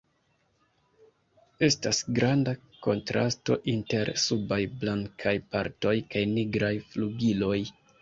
Estas granda kontrasto inter subaj blankaj partoj kaj nigraj flugiloj.